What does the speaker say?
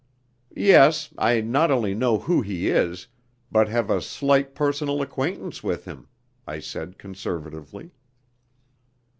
"Yes, I not only know who he is, but have a slight personal acquaintance with him," I said conservatively.